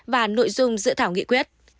và nội dung dự thảo nghị quyết